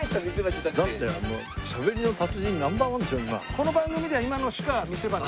この番組では今のしか見せ場がない。